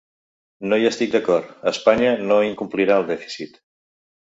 No hi estic d’acord, Espanya no incomplirà el dèficit.